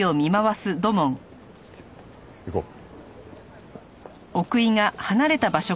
行こう。